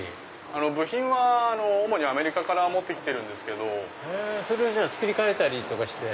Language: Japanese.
部品は主にアメリカから持って来てるんですけど。それを作り替えたりとかして？